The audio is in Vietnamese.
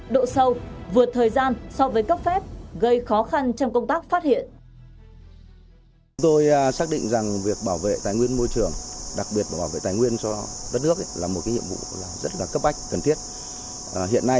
độ sâu vượt thời gian so với cấp phép gây khó khăn trong công tác phát hiện